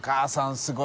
すごい。